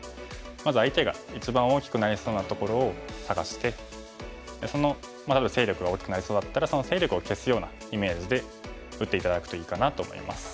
まず相手が一番大きくなりそうなところを探してその例えば勢力が大きくなりそうだったらその勢力を消すようなイメージで打って頂くといいかなと思います。